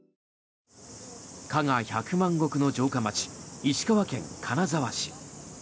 加賀１００万石の城下町石川県金沢市。